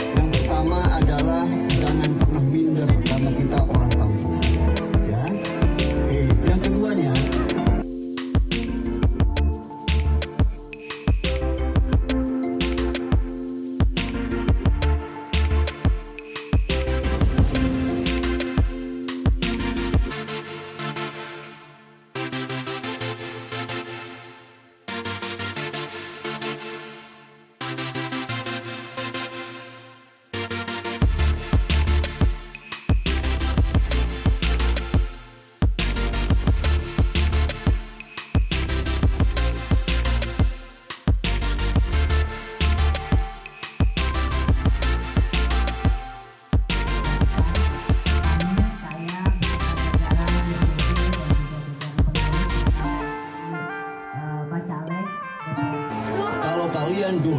yang pertama adalah jangan pernah pindah pertama kita orang